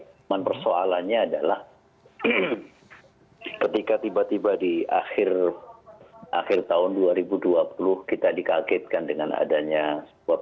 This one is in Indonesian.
cuman persoalannya adalah ketika tiba tiba di akhir tahun dua ribu dua puluh kita dikagetkan dengan adanya sebuah